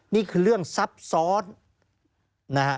นี่คือเรื่องซับซ้อน